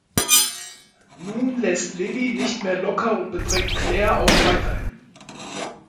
Nun lässt Lilli nicht mehr locker und bedrängt Claire auch weiterhin.